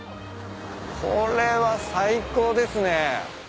これは最高ですね。